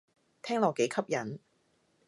聽落幾吸引